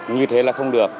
như thế là không được